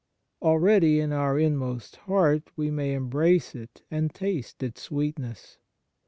Already in our inmost heart we may embrace it and taste its sweetness.